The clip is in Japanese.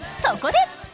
そこで。